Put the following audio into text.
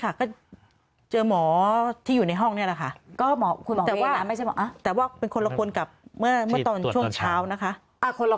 อ่าก็กิ้งกันอยู่พักเลยแหละ